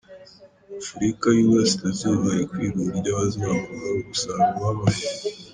Afurika y’u Burasirazuba iri kwiga uburyo hazamurwa umusaruro w’amafi